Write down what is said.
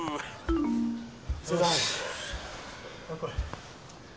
お疲れさまです。